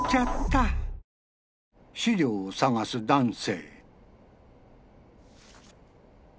資料を捜す男性